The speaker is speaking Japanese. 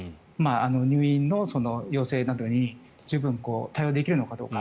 入院の要請などに十分対応できるのかどうか。